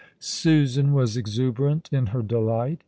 Susan was exuberant in her delight.